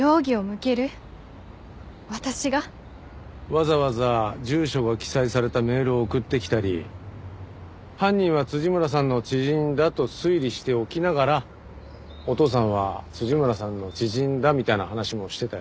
わざわざ住所が記載されたメールを送ってきたり犯人は村さんの知人だと推理しておきながらお父さんは村さんの知人だみたいな話もしてたよね。